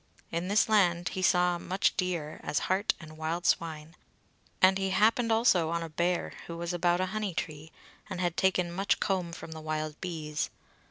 In this land he saw much deer, as hart and wild swine; and he happened also on a bear, who was about a honey tree, and had taken much comb from the wild bees.